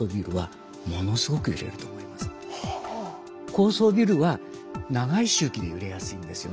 高層ビルは長い周期で揺れやすいんですよね。